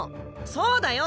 そうだよ！